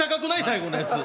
最後のやつ。